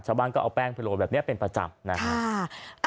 ชาวบ้านก็เอาแป้งโผล่แบบนี้เป็นประจำนะฮะ